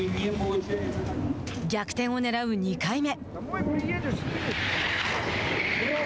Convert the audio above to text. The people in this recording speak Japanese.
逆転をねらう２回目。